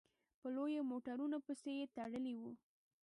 په لویو موټرانو پسې به يې تړلي وو.